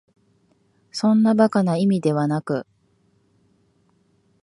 そんな馬鹿な意味ではなく、